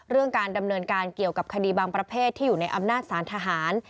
การดำเนินการเกี่ยวกับคดีบางประเภทที่อยู่ในอำนาจสารทหาร